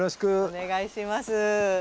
お願いします。